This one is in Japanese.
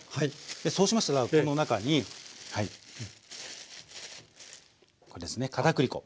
でそうしましたらこの中にこれですね片栗粉。